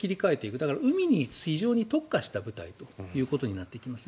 だから、海に非常に特化した部隊ということになっていきますね。